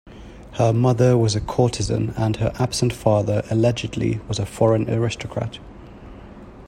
Her mother was a courtesan and her absent father, allegedly, was a foreign aristocrat.